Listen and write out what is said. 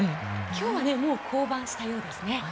今日はもう降板したようですね。